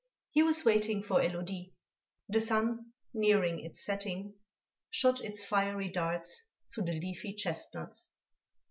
He was waiting for Élodie. The sun, nearing its setting, shot its fiery darts through the leafy chestnuts.